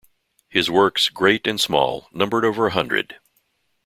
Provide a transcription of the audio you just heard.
His works, great and small, number over a hundred.